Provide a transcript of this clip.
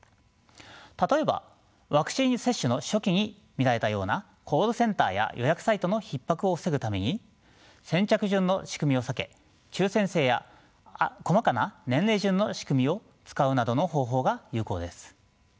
例えばワクチン接種の初期に見られたようなコールセンターや予約サイトのひっ迫を防ぐために先着順の仕組みを避け抽選制や細かな年齢順の仕組みを使うなどの方法が有効です。